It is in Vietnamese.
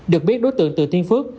được biết đối tượng từ thiên phước